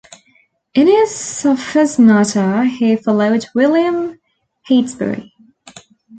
In his "Sophismata," he followed William Heytesbury.